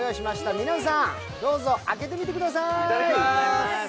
皆さん、どうぞ開けてみてくださーい。